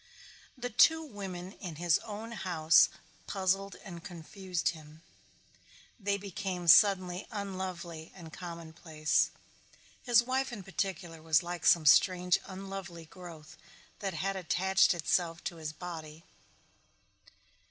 The two women in his own house puzzled and confused him. They became suddenly unlovely and commonplace. His wife in particular was like some strange unlovely growth that had attached itself to his body.